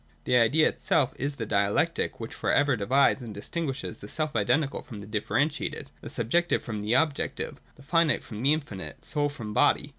The Idea itself is the dialectic which for ever divides and distinguishes the self identical from the differentiated, the subjective frr^m the objective, the finite from the infinite, soul from body.